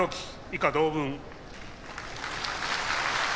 以下同文。